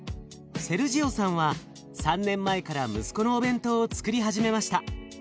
セルジオさんは３年前から息子のお弁当をつくり始めました。